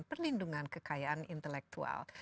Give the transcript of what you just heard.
perlindungan kekayaan intelektual